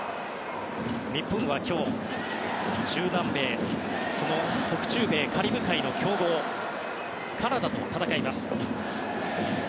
日本は今日北中米カリブ海の強豪カナダと戦います。